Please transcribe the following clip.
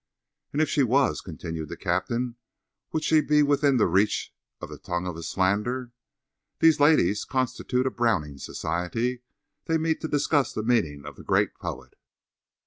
"And if she was," continued the captain, "would she be within the reach of the tongue of slander? These ladies constitute a Browning Society. They meet to discuss the meaning of the great poet.